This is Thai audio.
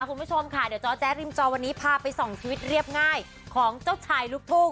คุณผู้ชมค่ะเดี๋ยวจอแจ๊ริมจอวันนี้พาไปส่องชีวิตเรียบง่ายของเจ้าชายลูกทุ่ง